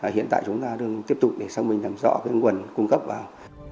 hiện tại chúng ta đang tiếp tục để xong mình làm rõ cái nguồn cung cấp vào